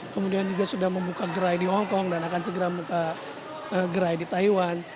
kemudian juga sudah membuka gerai di hongkong dan akan segera membuka gerai di taiwan